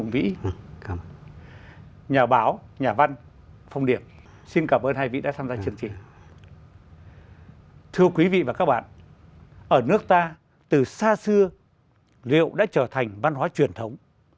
văn hóa rượu đã trở thành văn hóa truyền thống